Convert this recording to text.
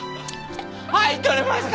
はい取れました。